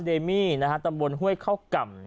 เดมี่ตำบลห้วยข้าวก่ำ